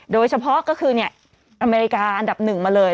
โดยเฉพาะก็คืออเมริกาอันดับหนึ่งมาเลย